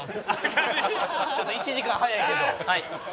ちょっと１時間早いけど。